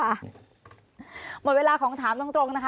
หมดเวลาของถามตรงนะคะ